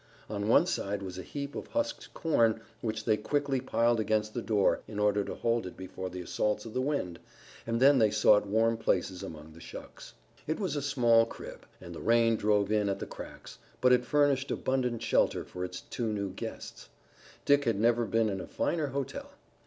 On one side was a heap of husked corn which they quickly piled against the door in order to hold it before the assaults of the wind, and then they sought warm places among the shucks. It was a small crib, and the rain drove in at the cracks, but it furnished abundant shelter for its two new guests. Dick had never been in a finer hotel.